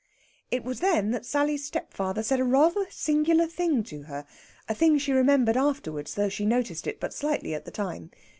It was then that Sally's stepfather said a rather singular thing to her a thing she remembered afterwards, though she noticed it but slightly at the time.